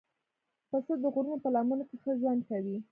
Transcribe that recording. پسه د غرونو په لمنو کې ښه ژوند کوي.